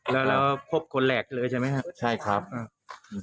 แล้วแล้วพบคนแหลกเลยใช่ไหมครับใช่ครับอ่า